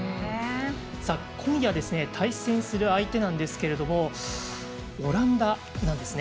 今夜、対戦する相手なんですけれどもオランダなんですね。